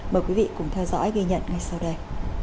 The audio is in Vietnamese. mời quý vị cùng theo dõi ghi nhận ngay sau đây